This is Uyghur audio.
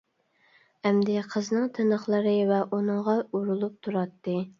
ئەمدى قىزنىڭ تىنىقلىرى ۋە ئۇنىڭغا ئۇرۇلۇپ تۇراتتى.